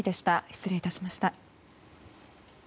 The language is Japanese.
失礼いたしました。